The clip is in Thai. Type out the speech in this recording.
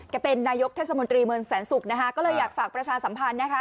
เป็นนายกเทศมนตรีเมืองแสนศุกร์นะคะก็เลยอยากฝากประชาสัมพันธ์นะคะ